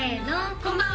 こんばんは。